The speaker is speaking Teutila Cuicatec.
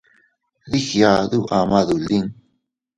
Dii giadu ama dolin.